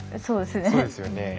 そうですよね。